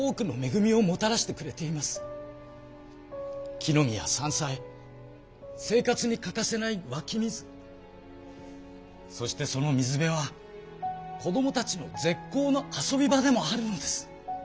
きのみや山菜生活に欠かせないわき水そしてその水辺はこどもたちの絶好の遊び場でもあるんです。